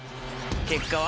結果は？